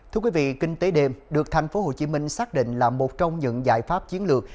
thưa quý vị kinh tế đêm được thành phố hồ chí minh xác định là một trong những giải pháp chiến lược